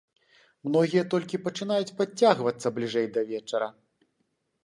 Многія толькі пачынаюць падцягвацца бліжэй да вечара.